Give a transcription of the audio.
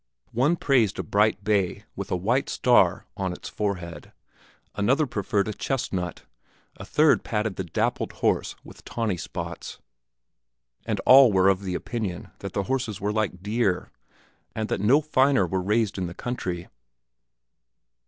One praised a bright bay with a white star on its forehead, another preferred a chestnut, a third patted the dappled horse with tawny spots; and all were of the opinion that the horses were like deer, and that no finer were raised in the country.